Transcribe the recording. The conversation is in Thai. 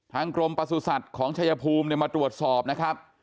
ทางกรมประสุทธิ์สัตว์ของชายภูมิเนี่ยมาตรวจสอบนะครับ